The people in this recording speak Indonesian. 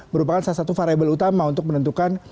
merupakan salah satu variable utama untuk menentukan